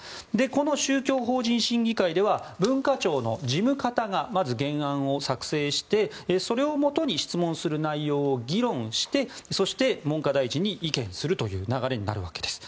この宗教法人審議会では文化庁の事務方が、まず原案を作成してそれをもとに質問する内容を議論して、そして文科大臣に意見するという流れになるわけです。